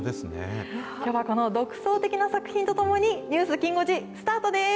では、この独創的な作品とともに、ニュースきん５時、スタートです。